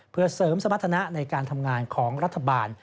เพื่อเสริมสมรรถนะในการทำงานของรัฐบาล